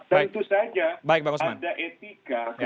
tentu saja ada etika